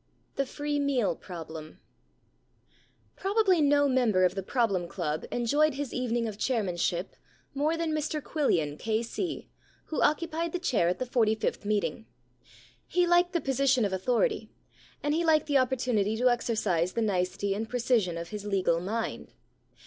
in THE FREE MEAL PROBLEM Probably no member of the Problem Club enjoyed his evening of chairmanship more than Mr Quillian, K.C., who occupied the chair at the forty fifth meeting. He liked the position of authority, and he liked the oppor tunity to exercise the nicety and precision of his legal mind.